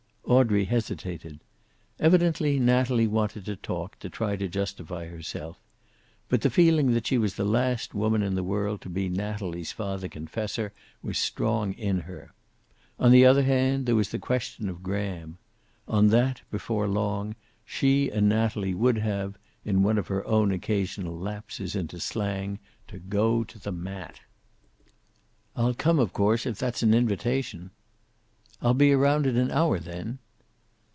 Audrey hesitated. Evidently Natalie wanted to talk, to try to justify herself. But the feeling that she was the last woman in the world to be Natalie's father confessor was strong in her. On the other hand, there was the question of Graham. On that, before long, she and Natalie would have, in one of her own occasional lapses into slang, to go to the mat. "I'll come, of course, if that's an invitation." "I'll be around in an hour, then."